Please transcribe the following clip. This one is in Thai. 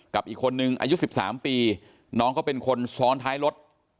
กับอีกคนนึงอายุ๑๓ปีน้องก็เป็นคนซ้อนท้ายรถ